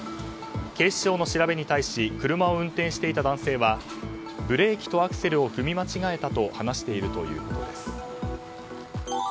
警視庁の調べに対し車を運転していた男性はブレーキとアクセルを踏み間違えたと話しているということです。